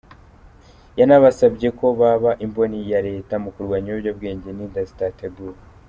Yanabasabye ko baba imboni ya Leta mu kurwanya ibiyobyabwenge n’inda zitateguwe .